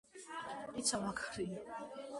პიცა მაგარია